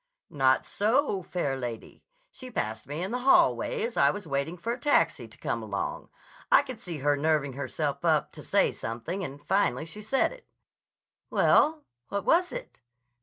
"Not so, fair lady. She passed me in the hallway as I was waiting for a taxi to come along. I could see her nerving herself up to say something and finally she said it." "Well, what was it?"